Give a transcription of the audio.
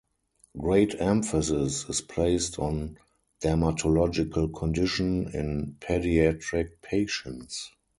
Great emphasis is placed on dermatological condition in pediatric patients.